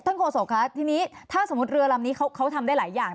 โฆษกคะทีนี้ถ้าสมมุติเรือลำนี้เขาทำได้หลายอย่าง